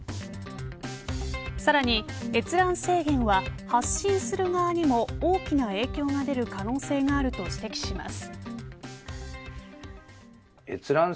さらに、閲覧制限は発信する側にも大きな影響が出る可能性があると指摘します。